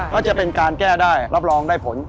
ก็จะเป็นการแก้ได้รับรองได้ผล